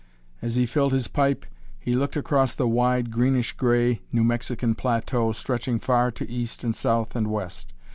As he filled his pipe he looked across the wide, greenish gray New Mexican plateau stretching far to east and south and west.